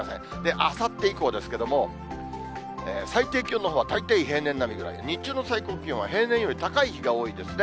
あさって以降ですけれども、最低気温のほうは大体平年並みぐらい、日中の最高気温は、平年より高い日が多いですね。